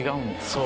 そう。